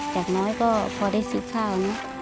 อย่างน้อยก็พอได้ซื้อข้าวเนอะ